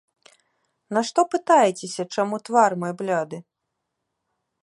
Нашто пытаецеся, чаму твар мой бляды?